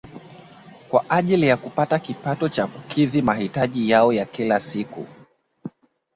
Kwa ajili ya kupata kipato cha kukidhi mahitaji yao ya kila siku